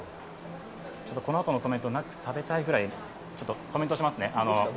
このあとのコメントなく食べたいぐらいちょっとコメントしますね。